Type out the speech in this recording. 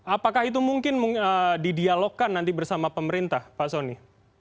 apakah itu mungkin didialogkan nanti bersama pemerintah pak soni